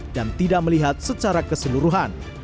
dan tidak melihat secara keseluruhan